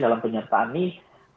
dalam penyertaan nih